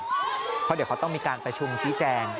เพราะเดี๋ยวเขาต้องมีการประชุมชี้แจง